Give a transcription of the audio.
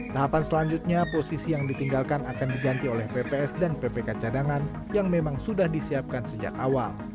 tahapan selanjutnya posisi yang ditinggalkan akan diganti oleh pps dan ppk cadangan yang memang sudah disiapkan sejak awal